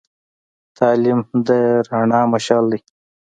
تعلیم د رڼا مشعل دی.